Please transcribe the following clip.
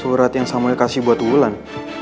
surat yang sama kasih buat wulan